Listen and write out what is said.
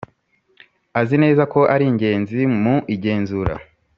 Azi neza ko ari ingenzi mu igenzura